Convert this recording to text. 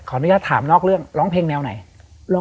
ขอถามนอกเรื่องร้องเพลงแนวไหน